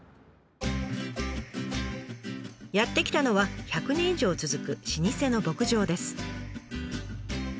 やって来たのは１００年以上続く老舗の牧場です。